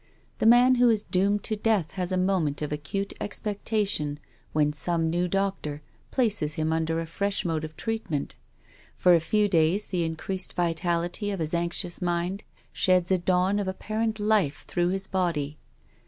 The man who is doomed to death has a moment of acute expectation when some new doctor places him under a fresh mode of treatment. For a few days the increased vitality of his anxious mind sheds a dawn of apparent life through his body.